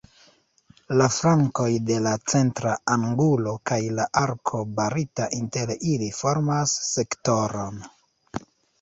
La flankoj de la centra angulo kaj la arko barita inter ili formas sektoron.